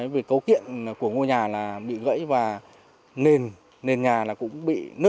vì cấu kiện của ngôi nhà là bị gãy và nền nhà cũng bị nứt